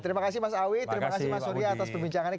terima kasih mas awi terima kasih mas surya atas perbincangannya